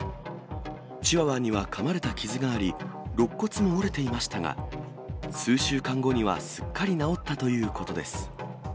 チワワにはかまれた傷があり、ろっ骨も折れていましたが、数週間後にはすっかり治ったということです。